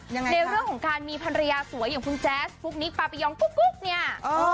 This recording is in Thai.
ในเรื่องของการมีภรรยาสวยอย่างคุณแจ๊สปุ๊กนิกปาปิยองกุ๊กเนี่ย